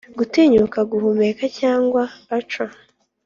gutinyuka guhumeka cyangwa achoo.